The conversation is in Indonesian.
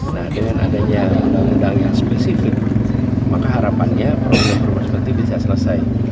nah dengan adanya undang undang yang spesifik maka harapannya program program seperti bisa selesai